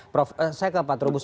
prof saya ke pak trubus